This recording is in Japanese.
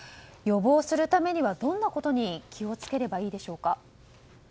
予防するためにはどんなことに気をつければいいでしょうか。